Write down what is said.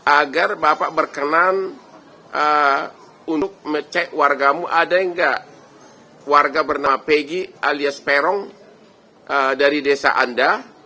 agar bapak berkenan untuk mecek wargamu ada yang enggak warga bernama pegi alias peron dari desa anda